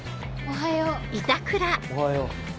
おはよう。